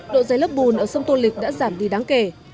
độ dây lớp bùn ở sông tô lịch đã giảm đi đáng kể